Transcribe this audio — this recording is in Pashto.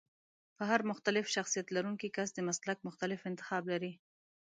د هر مختلف شخصيت لرونکی کس د مسلک مختلف انتخاب لري.